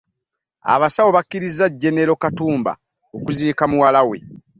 Abasawo bakkirizza jenero Katumba okuziika muwala we